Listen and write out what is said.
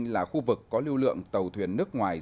là khu vực có lưu lượng tàu thuyền nước ngoài